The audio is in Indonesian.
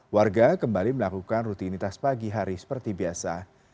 warga kembali melakukan rutinitas pagi hari seperti biasa